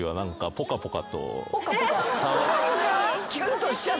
ポカポカ？